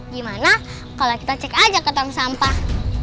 gimana kalau kita cek aja ke tong sampah